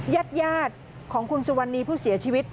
ญาติของคุณสุวรรณีผู้เสียชีวิต